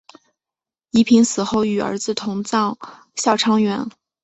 宜嫔死后与儿子同葬孝昌园。